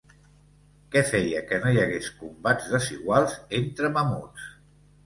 Què feia que no hi hagués combats desiguals entre mamuts?